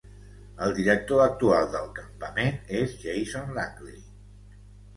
El director actual del campament és Jason Langley.